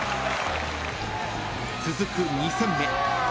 ［続く２戦目］